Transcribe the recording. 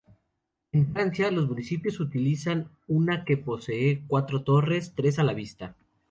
En Francia, los municipios utilizan una que posee cuatro torres, tres a la vista.